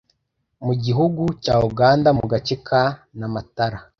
Mu gihugu cya Uganda mu gace ka Namatala